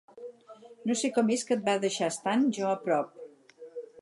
No sé com és que et va deixar estant jo a prop.